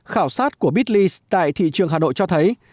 khảo sát của bitly tại thị trường hà nội cho thấy